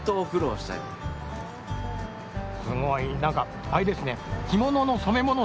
すごいなんかあれですね